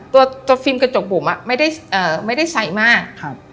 ตัวตัวฟิล์มกระจกบุ๋มไม่ได้ใสมาก